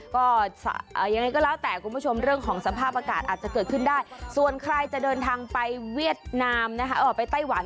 ก็ยังไงก็แล้วแต่คุณผู้ชมเรื่องของสภาพอากาศอาจจะเกิดขึ้นได้ส่วนใครจะเดินทางไปเวียดนามนะคะออกไปไต้หวัน